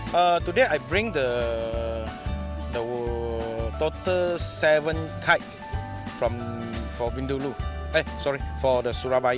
layang layang paus ini diperkenalkan oleh pemerintah surabaya